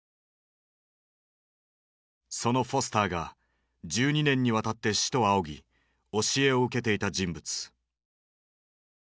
そのフォスターが１２年にわたって師と仰ぎ教えを受けていた人物。